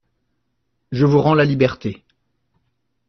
Je vous rends la liberté.